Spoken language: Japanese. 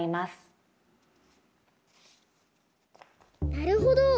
なるほど！